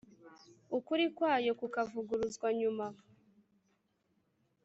ukuri kwayo kukavuguruzwa nyuma